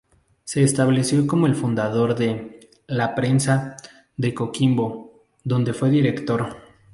Se estableció como el fundador de ""La Prensa"" de Coquimbo, donde fue director.